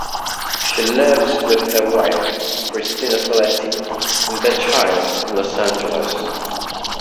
She lives with her wife, Christina Soletti, and their child, in Los Angeles.